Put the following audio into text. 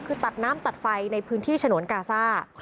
คือตัดน้ำตัดไฟในพื้นที่ฉนวนกาซ่า